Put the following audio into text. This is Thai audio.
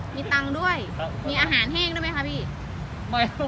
มีตังค์ด้วยมีอาหารแห้งด้วยไหมคะพี่